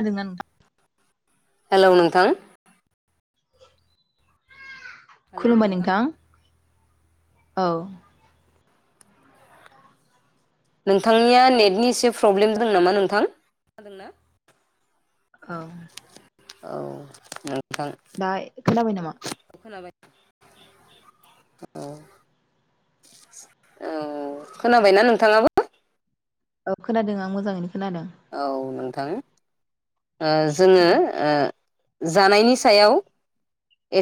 आरोना नोंथां हेलौ नोंथां खुलुमबाय नोंथां औ नोंथांनिया नेटनि एसे प्रब्लेम दं नामा नोंथां खोनादोंना? औ औ नों दाय खोनाबाय नामा? खोनाबाय औ औ खोनाबायना नोंथाङाबो? औ खोनादों आं मोजाङैनो खोनादों औ नों थां ओ जोङो ओ जानायनि सायाव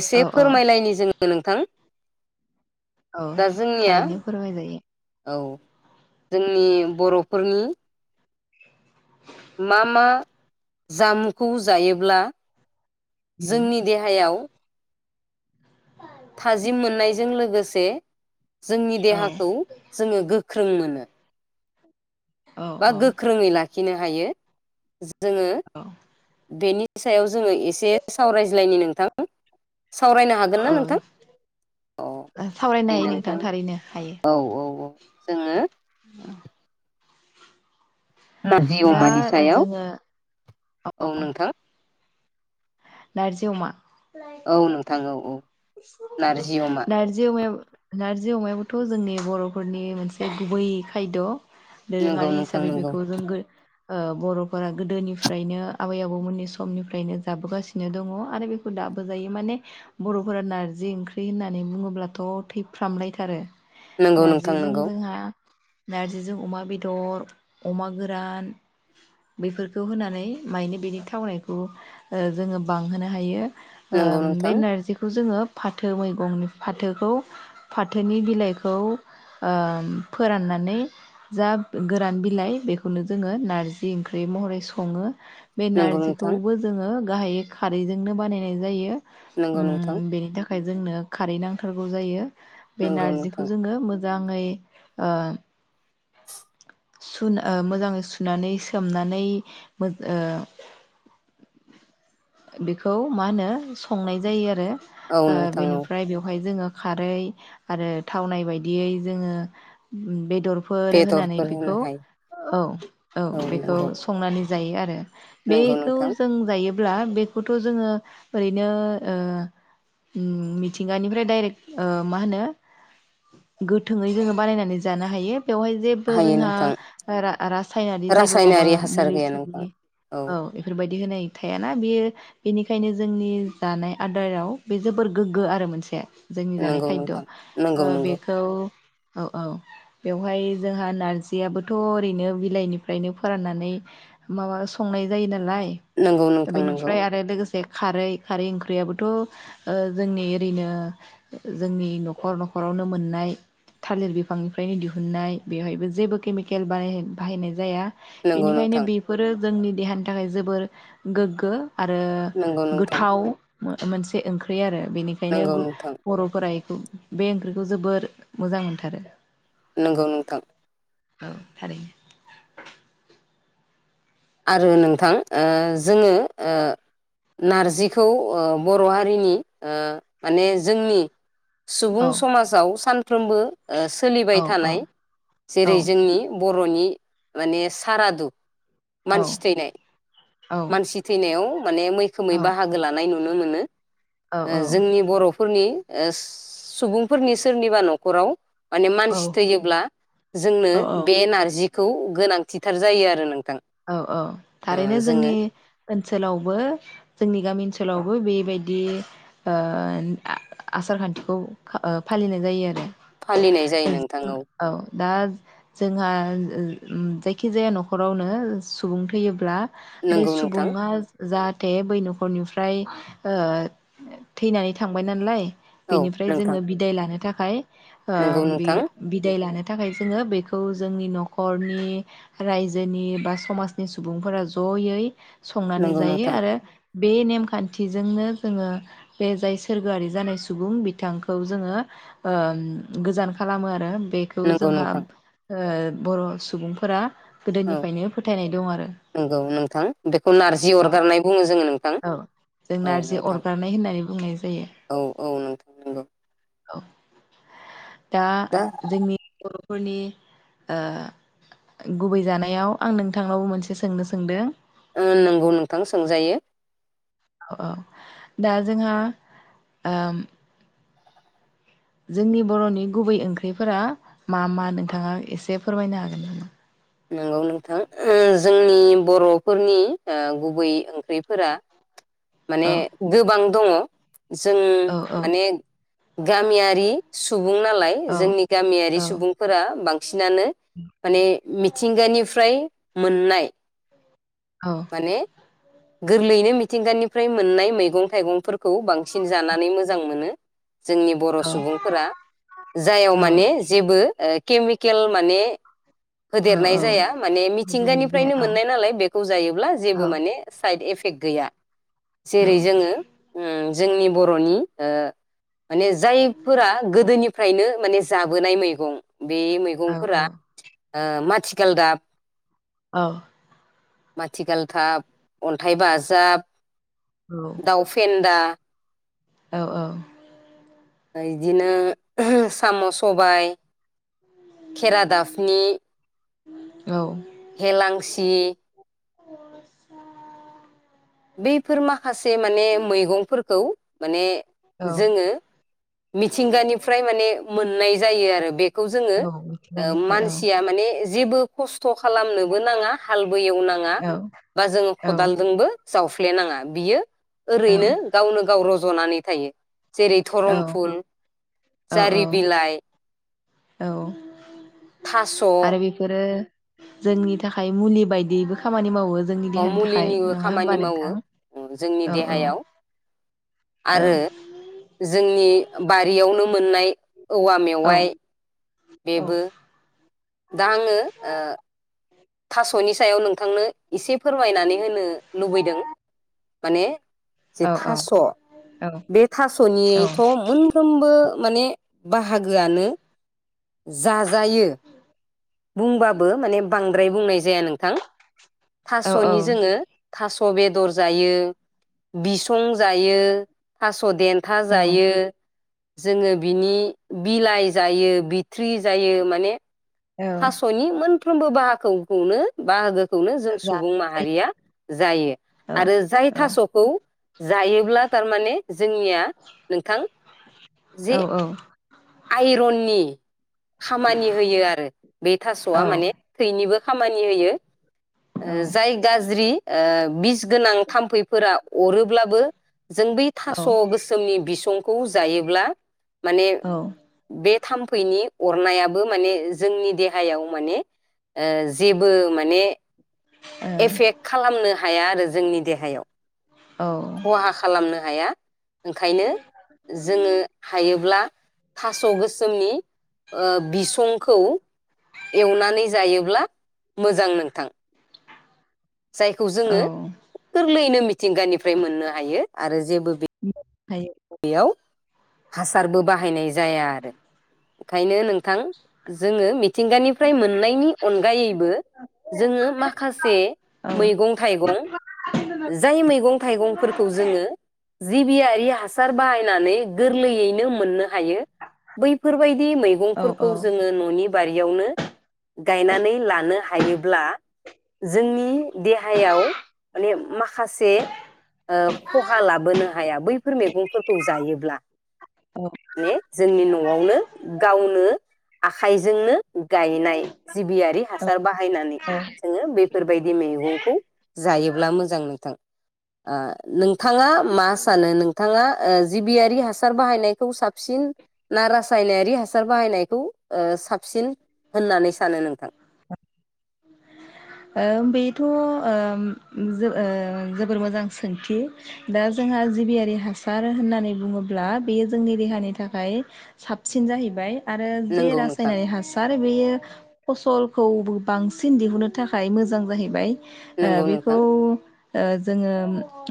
एसे औ औ फोरमायलायनि जोङो नोंथां औ दा जोंनिया थारैनो फोरमाय जायो। औ जोंनि बर'फोरनि मा मा जामुखौ जायोब्ला उम जोंनि देहायाव थाजिम मोननायजों लोगोसे जोंनि औ देहाखौ जोङो गो ख्रों मोनो औ बा औ गोख्रोङै ला खिनो हायो जोङो बेनि सायाव जोङो एसे सावरायज्लायनि नोंथां सावरायनो हागोन ना औ औ नोंथां? अ सावरायनो ओं हायो नोंथां थारैनो हायो औ औ औ जोङो [inaudible] नारजि दा अमानि सायाव जोङो औ औ नोंथां नारजि अमा औ नोंथां औ औौ नारजि अमा नारजि अमायाबो नारजि अमायाबोथ जोंनि बरफोरनि मोनसे गुबै खायद' नंगौ दोरोङारि नोंथां हिसाबै नंगौ बेखौ जों गो ओ बर'फोरा गोदोनिफ्रायनो आबै आबौमोननि समनिफ्रायनो जाबोगासि नो दङ आरो बेखौ दाबो जायो माने बर'फोरा नारजि ओंख्रि होननानै बुङोब्लाथ' थैफ्रामलायथारो। नंगौ नोंथां नारजिजों नंगौ जोंहा नारजिजों अमा बेदर अमा गोरान बेफोरखौ होनानै मानि बिनि थावनायखौ जोङो बांहोनो हायो। ओ नंगौ बे नोंथां नारजिखौ जोङो फाथो मैगंनि फाथोखौ फाथोनि बिलाइखौ ओ फोराननानै जा गोरान बिलाइ बेखौनो जोङो नारजि ओंख्रि महरै सङो बे नंगौ नोंथां नारजिखौबो जोङो, गाहायहो खारैजोंनो बानायनाय जायो, नंगौ नोंथां उम बेनि था ओमफ्राय जोंनो खारै नांथारगौ जायो। बे नंगौ नोंथां नारजिखौ जोङो मो मोजाङै ओ सुनो मोजाङै सुनानै सोमनानै ओ बेखौ मा होनो संनाय जायो आरो औ ओ नोंथां औ बेनिफ्राय बेवहाय जोङो, खारै आरो थावनाय बायदियै जोङो बेदर, होनानै बेदरफोर होनो बेखौ हायो औ औ बेखौ संना जायो आरो नंगौ बेखौ नोंथां जों जायो ब्ला बेखौथ' जोङो ओरैनो ओ मिथिंगानिफ्राय दाइरेक ओ मा होनो गोथोै जोङो बानायनानै जानो हायो बेहाय, जेबो हायो जोंहा नोंथां रा रासायनारि जेबो माबा रासायनारि हासार मुलि गैया नोंथां सनि औ बेफोरबायदि, बिदि होनाय थायाना बेयो बेनिखायनो जोंनि जानाय आदाराव बे जोबोर गोग्गो आरो मोनसे, जोंनि जानाय नंगौ खायद ओ नोंथां नंगौ नंगौ बेखौ औ औ बेवहाय, जोंहा नारजियाबोथ' ओरैनो बिलाइनिफ्रायनो फोराननानै माबा संनाय जायो नालाय, नंगौ नोंथां नंगौ बेनिफ्राय आरो लोगोसे खारै खारै ओंख्रियाबोथ' ओ जोंनि ओरैनो जोंनि न'खर न'खरावनो मोननाय थालिर बिफांनिफ्रायनो दिहुनन्नाय, बेवहायबो जेबो केमिकेल बानाय बाहायनाय जाया, नंगौ बेनिखायनो नोंथां बेफोरो, जोंनि देहानि थाखाय जोबोर गोग्गो, आरो नंगौ नोंथां गोथाव, मोनसे ओंख्रि आरो बेनिखायनो नंगौ गु नोंथां बर' बोराइ बे ओंख्रिखौ जोबोर मोजां मोनथारो नंगौ नोंथां औ थारैनो, आरो नोंथां ओ जोङो ओ नारजिखौ ओ बर'हारिनि माने ओ जोंनि औ सुबुं समाजाव सान फ्रोमबो ओ सोलिबाय औ औ थानाय औ जेरै जोंनि बर बर'नि माने सारादु, औ मानसि थैनाय औ मानसि थैनायाव माने मैखोमै बाहागो लानाय नु नो मोनो। ओ जोंनि बर'फ फोरनि ओ सुबुंफोरनि सोरनिबा नखराव माने औ मानसि थैयोब्ला जोंनो औ औ बे नारजि खौ गोनांथिथार जायो आरो नोंथां औ औ ओ थारैनो जोङो जोंनि ओनसोलावबो जोंनि गामि ओनसो ओनसोलावबो बेबायदि ओ आ-आसार खान्थिखौ फालिनाय जायो आरो फालिनाय जायो नोंथां औ दा जोंहा ओ ओ ओम जायखि जाया नखरावनो सुबुं थैयोब्ला बे नंगौ नोंथां सुबुङा जाहाथे बै नखरनिफ्राय ओ थैनानै थांबाय नालाय। औ बेनिफ्राय नोंथां जोङो बिदाय लानो थाख फाय ओ नंगौ बे नोंथां बिदाय लानो थाखाय जोंङो बेखौ जोंनि नखरनि रायजोनि बा स समाजनि सुबुंफोरा जयै संनानै नंगौ जायो नोंथां आरो बे नेमखान्थिजोंनो जोङो बे जाय सोरगोआरि जानाय सुबुं बिथांखौ जोङो ओ गोजान खालामो आरो बेखौ नंगौ जोंहा नोंथां ओ बर सुबुंफोरा औ गोदोनिफ्रायनो फोथायनाय दं आरो नंगौ नोंथां बेखौ नारजि औ अरगारनाय बुङो जोङो नोंथां औ जों औ नारजि नोंथां अरगारनाय होननानै बुंनाय जायो औ औ नोंथां नंगौ औ दा जोंनि [unintelligible] फोरनि ओ गुबै जानायाव आं नोंथांनावबो मोनसे सोंनो सोंदों ओ नंगौ नोंथां सोंजायो। औ औ दा जोंहा ओम जोंनि बरनि गुबै ओंख्रिफोरा मा मा नोंथाङा इसे फोरमायनो हागोन नामा? नंगौ नोंथां ओ जोंनि बरफोरनि ओ गुबै ओंख्रिफोरा माने औ गोबां दङ। जों औ औ माने गामियारि सु बुं नालाय औ जोंनि गामियारि सुबुंफोरा बां [unintelligible] माने मि निफ्राय मोननाय औ माने गोरलैयैनो मिथिंगानिफ्राय मोननाय मैगं थाइगंफोरखौ बां सिन जानानै मोजां मोनो। जोंनि बर' औ सुबुंफोरा जायाव माने जेबो ओ केमिकेल माने होदेरनाय जाया माने औ मिथिंगानिफ्रायनो औ मोननाय नालाय बेखौ जायोब्ला औ जेबो माने साइद एफेट गैया। औ जेरै जोङो ओं जोंनि बर'नि ओ माने जायफोरा गोदोनि फ्रायनो माने जाबोनाय मैगं। बे औ मैगंफोरा ओ माथिगालदाब औ माथिगालथाब, अन्थाइ बाजाब दाउफेन्दा औ औ ओ इदिनो साम' सबाय खेरादाफनि हेलांसि [unintelligible] बेफोर मा माखासे माने मैगंफोरखौ माने औ जोङो मिथिंगानिफ्राय माने मोननाय जायो आरो बे बेखौ जोङो औ ओ मिथिंगानिफ्राय औ मानसिया माने जेबो खस्थ खालामनोबो नाङा हालबो एवनाङा औ बा जोङो औ खदालजोंबो उफ्लेनाङा बियो औ ओरैनो गावनो गाव रज जनानै थायो। जेरै औ धरमफुल, औ जारि बिलाइ [inaudible] औ आरो बेफोरो जोंनि थाखाय मुलि बायदियैबो खामानि मावो । मुलिनिबो खामानि मावो जोंनि औ औ देहायाव औ आरो जोंनि बारियावनो मोननाय औवा औ मेवाइ। औ बेबो। दा आङो ओ थासनि सायाव नोंथांनो एसे फोरमायनानै होनो लुबैदों माने जे औ थास‌ बे थासनिथ मोनफ्रोमबो माने बाहागोआनो जा जायो। बुंबाबो माने बांद्राय बुंनाय जाया नोंथां। औ थासनि जोङो थास [unintelligible] बेदर जायो बिसं जायो थास देन्था औ जायो। जोङो बिनि बिलाइ जायो बिथ्रि जायो माने औ थासनि मोनफ्रोमबो बाहा खौ-खौनो बाहागो खौनो जों सुबुं जानाय माहारिया जायो जायो आरो जाय औ थासखौ जायोब्ला थारमाने जोंनिया नोंथां औ जे औ आइरननि। खामानि होयो आरो बे थासआ माने थैनिबो। खामानि होयो। ओ जाय गाज्रि। ओ बिस गोनां थाम्फैफोरा अरोब्लाबो जों बै औ थास गोसोमनि बिसं खौ जायोब्ला माने बे थाम्फैनि अरनायाबो माने जोंनि देहायाव माने ओ जेबो माने एफेक्ट खालामनो हाया आरो जोंनि देहायाव। खहा खालामनो हाया। ओंखायनो जोङो हायोब्ला थास गोसोमनि ओ बिसंखौ एवनानै जायोब्ला मोजां नोंथां। जायखौ जोङो औ गोरलैयैनो मि मिथिंगानिफ्राय मोननो हायो आरो जेबो हाङो। बेयाव हासारबो बाहायनाय जाया आरो। ओंखायनो नोंथां जोङो मिथिंगानिफ्राय मोननायनि अनगायैबो जोङो माखासे औ मैगं थाइगं जाय मैगं थाइगंफोरखौ जोङो जिबियारिया हास सार बाहायनानै गोरलैयैनो मोननो हायो बैफोरबायदि औ मैगंफोरखौ जोङो ननि बारियावनो गायनानै लानो हायोब्ला जोंनि देहायाव माने माखासे ओ खहा लाबोनो हाया बैफोर मैगं खौ जायोब्ला औ माने जोंनि नआवनो गावनो आखाइजोंनो गायनाय जिबियारि औ हासार बाहायनानै औ जो‌ङो बेफोरबायदि मैगंखौ जायोब्ला मोजां नोंथां ओ नोंथाङा मा सानो नोंथाङा ओ जिबियारि हासार बाहायनायखौ साबसिन ना रासायनारि हासार बाहायनायखौ ओ साबसिन होननानै सानो नोंथां। ओ बैथ ओम जो ओ जोबोर मोजां सोंथि दा जोंहा जिबियारि हासार होननानै बुङोब्ला बेयो जोंनि देहानि थाखाय साबसिन जाहैबाय। आरो जे नंगौ नोंथां रासायनारि हासार बेयो फसलखौबो बांसिन दिहुनो थाखाय मोजां जाहैबाय। ओ नंगौ बेखौ नोंथां ओ जोङो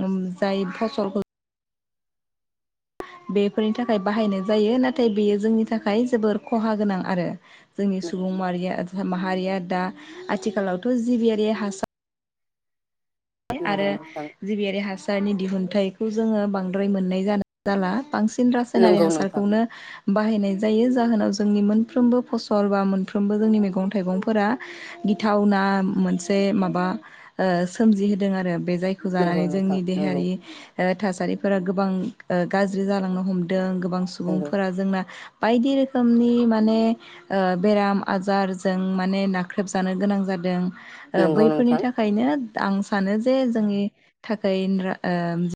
ओम जाय फसलफोर बेफोरनि थाखाय बाहायनाय जायो नाथाय बेयो जोंनि थाखाय जोबोर खहा गोनां आरो। जोंनि सुबुं माहारिया माहारिया दा आथिखालावथ जिबियारि हासार आरो नंगौ नोंथां जिबियारि हास सारनि दिहुनथाइखौ जोङो बांद्राय मोननाय जा-जाला। बांसिन रासायनारि नंगौ नोंथां हासारखौनो बाहायनाय जायो जाहोनाव जोंनि मोनफ्रोमबो फसल बा मोनफ्रोमबो जोंनि मैगं थाइगंफोरा गिथावना मोनसे माबा ओ सोमजिहो दों आरो। बे जायखौ नंगौ जानानै नोंथां जोंनि नंगौ देहायारि ओ थासारिफोरा गोबां ओ गाज्रि जालांनो हमदों गो गोबां नंगौ सुबुंफोरा जोंना बायदि रोखोमनि माने ओ बेराम आजारजों माने नाख्रेबजानो गोनां जादों। ओ नंगौ बैफोरनि नोंथां थाखायनो दा आं सानो जे जोंनि थाखाय रा ओ